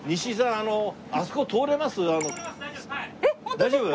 大丈夫？